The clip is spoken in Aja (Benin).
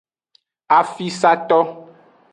Afisato.